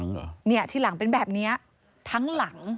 ครับที่หลังเป็นแบบนี้ทั้งหลัง